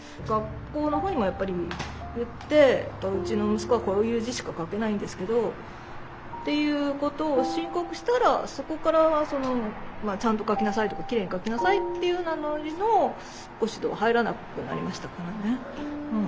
学校の方にもやっぱり言って「うちの息子はこういう字しか書けないんですけど」っていうことを申告したらそこから「ちゃんと書きなさい」とか「きれいに書きなさい」っていうご指導は入らなくなりましたからね。